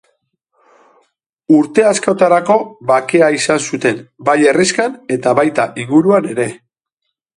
Urte askotarako bakea izan zuten bai herrixkan eta bai inguruan ere.